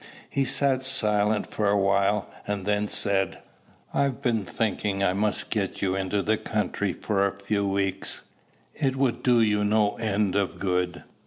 He sat silent for a while, and then said, "I've been thinking I must get you into the country for a few weeks. It would do you no end of good."